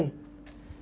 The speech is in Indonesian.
ini udah gede pak